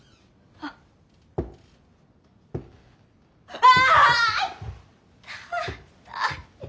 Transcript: ああ。